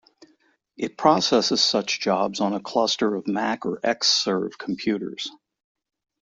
It processes such jobs on a cluster of Mac or Xserve computers.